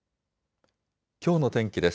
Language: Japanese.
きょうの天気です。